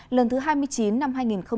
lần thứ hai mươi chín năm hai nghìn hai mươi